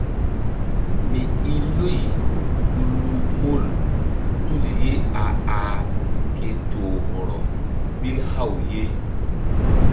Mi i loy ku lu mol tul ye a ah ke toh hɔrɔ ɓil haw ye.